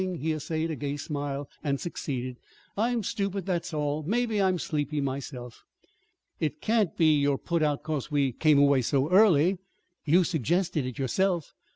He essayed a gay smile, and succeeded. "I'm stupid, that's all. Maybe I'm sleepy myself." "It can't be you're put out 'cause we came away so early! You suggested it yourself."